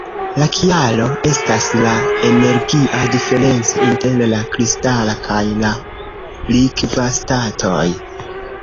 La kialo estas la energia diferenco inter la kristala kaj la likva statoj.